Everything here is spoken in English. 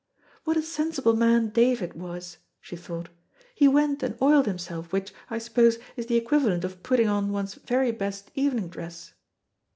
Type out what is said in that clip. "What a sensible man David was," she thought. "He went and oiled himself, which, I suppose, is the equivalent of putting on one's very best evening dress."